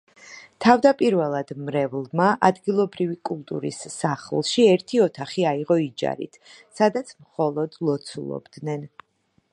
თავდაპირველად მრევლმა ადგილობრივი კულტურის სახლში ერთი ოთახი აიღო იჯარით, სადაც მხოლოდ ლოცულობდნენ.